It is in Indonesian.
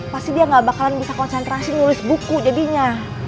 pasti dia gak bakalan bisa konsentrasi nulis buku jadinya